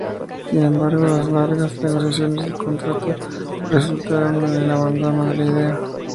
Sin embargo, las largas negociaciones del contrato resultaron en el abandono de la idea.